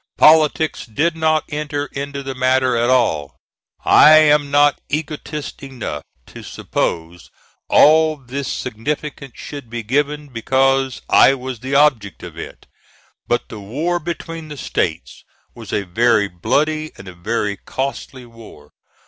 Politics did not enter into the matter at all. I am not egotist enough to suppose all this significance should be given because I was the object of it. But the war between the States was a very bloody and a very costly war.